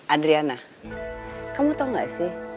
adriana kamu tau gak sih